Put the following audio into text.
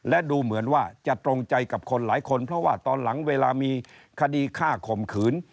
และดูเหมือนว่าจะตรงใจกับคนหลายคนเพราะว่าตอนหลังเวลามีคดีฆ่าข่มขืน